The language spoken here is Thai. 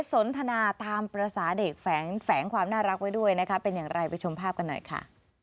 สนทนาตามภาษาเด็กแฝงความน่ารักไว้ด้วยนะคะเป็นอย่างไรไปชมภาพกันหน่อยค่ะ